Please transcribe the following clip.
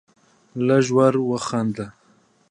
لږ ور وڅخېد.